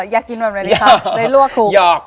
อยากกินแบบนี้ครับได้ลวกถูก